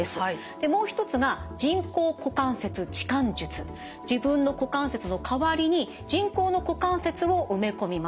もう一つが自分の股関節の代わりに人工の股関節を埋め込みます。